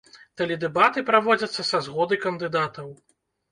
Тэледэбаты праводзяцца са згоды кандыдатаў.